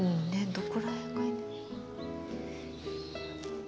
どこら辺がいいのかな？